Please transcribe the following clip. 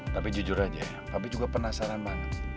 tapi jujur aja kami juga penasaran banget